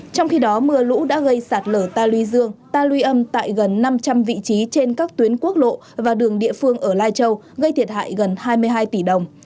trong khi đó mưa lũ đã gây sạt lở ta luy dương ta luy âm tại gần năm trăm linh vị trí trên các tuyến quốc lộ và đường địa phương ở lai châu gây thiệt hại gần hai mươi hai tỷ đồng